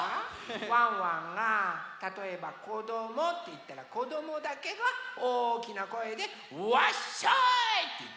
ワンワンがたとえば「こども」っていったらこどもだけがおおきなこえで「ワッショイ！」っていってよ。